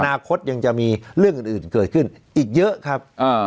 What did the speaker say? คตยังจะมีเรื่องอื่นเกิดขึ้นอีกเยอะครับ